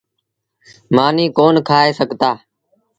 مآݩيٚ ڪون کآئي سگھتآ۔